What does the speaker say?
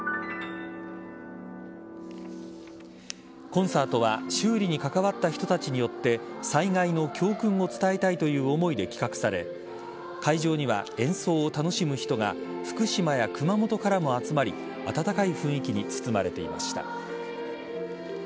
コンサートは修理に関わった人たちによって災害の教訓を伝えたいという思いで企画され会場には演奏を楽しむ人が福島や熊本からも集まり温かい雰囲気に包まれていました。